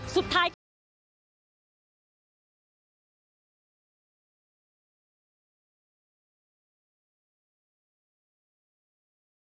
ติดตามกุ